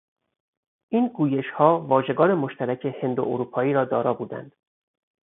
این گویشها واژگان مشترک هند و اروپایی را دارا بودند.